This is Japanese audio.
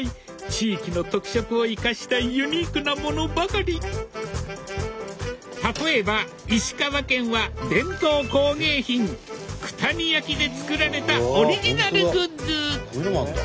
地域の特色を生かしたユニークなものばかり例えば石川県は伝統工芸品九谷焼で作られたオリジナルグッズ